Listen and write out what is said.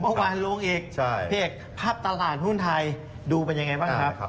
เมื่อวานลงอีกเพจภาพตลาดหุ้นไทยดูเป็นยังไงบ้างครับ